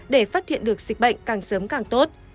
để phát hiện được dịch bệnh càng sớm càng tốt